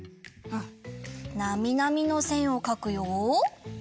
なみなみのせんをかくよ！